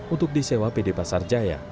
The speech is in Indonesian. untuk disewa pd pasar jaya